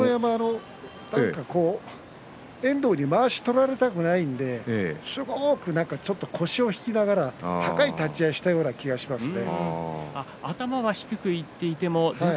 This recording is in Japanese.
豪ノ山は、遠藤にまわしを取られたくないんですごく腰を引きながら高い立ち合いをしたような気がしますね。